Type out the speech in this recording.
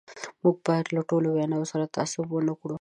موږ باید له ټولو ویناوو سره تعصب ونه کړو.